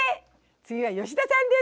次は吉田さんです！